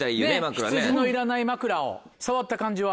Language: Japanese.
「ヒツジのいらない枕」を触った感じは？